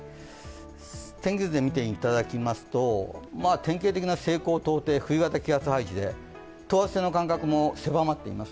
天気図で見ていただきますと、典型的な西高東低、冬型気圧配置で等圧線の間隔も狭まっています。